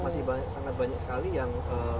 sangat banyak sekali yang